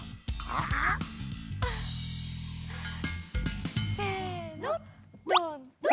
あ！せのトントン。